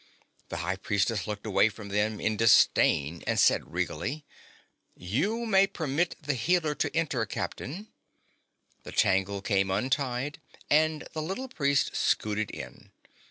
The High Priestess looked away from them in disdain and said regally: "You may permit the Healer to enter, Captain." The tangle came untied and the little priest scooted in.